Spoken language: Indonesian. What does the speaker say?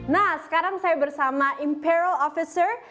nah sekarang saya bersama imperal officer